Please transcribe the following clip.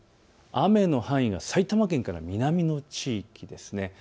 雨の範囲が埼玉県から南の地域です。